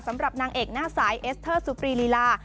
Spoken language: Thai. สำหรับนางเอกหน้าสายเอสเตอร์สุปรีลีลา